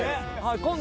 今度。